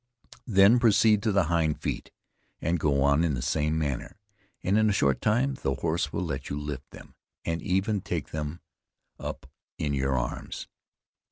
Then proceed to the hind feet and go on in the same manner, and in a short time the horse will let you lift them and even take them up in your arms.